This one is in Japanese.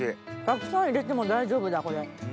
たくさん入れても大丈夫だこれ。